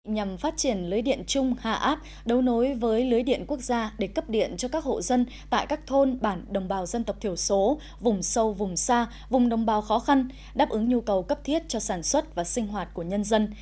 nhằm phát triển lưới điện chung hạ áp đấu nối với lưới điện quốc gia để cấp điện cho các hộ dân tại các thôn bản đồng bào dân tộc thiểu số vùng sâu vùng xa vùng đồng bào khó khăn đáp ứng nhu cầu cấp thiết cho sản xuất và sinh hoạt của nhân dân